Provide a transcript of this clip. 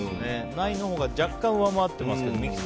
ないのほうが若干上回ってますけど。